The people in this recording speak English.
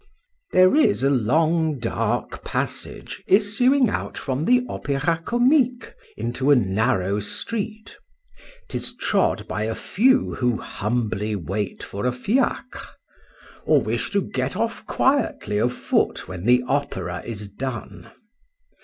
There is a long dark passage issuing out from the Opera Comique into a narrow street; 'tis trod by a few who humbly wait for a fiacre, or wish to get off quietly o'foot when the opera is done.